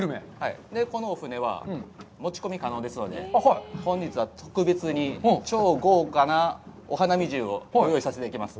このお船は持ち込み可能ですので、本日は特別に超豪華なお花見重をご用意させていただきます。